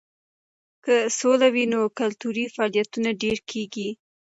که سوله وي نو کلتوري فعالیتونه ډېر کیږي.